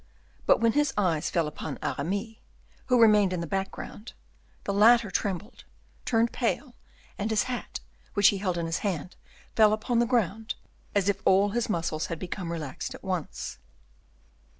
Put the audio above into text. But when his eyes fell upon Aramis, who remained in the background, the latter trembled, turned pale, and his hat, which he held in his hand, fell upon the ground, as if all his muscles had become relaxed at once.